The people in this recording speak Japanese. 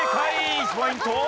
１ポイント。